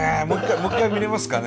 もう一回見れますかね。